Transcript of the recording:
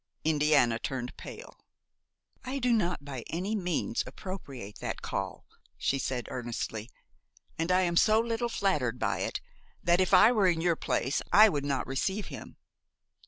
Indiana turned pale. "I do not by any means appropriate that call," she said earnestly, "and I am so little flattered by it that, if I were in your place, I would not receive him."